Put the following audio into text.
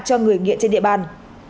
cho người nghiện trên địa bàn